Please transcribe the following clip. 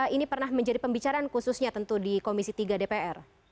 ini pernah menjadi pembicaraan khususnya tentu di komisi tiga dpr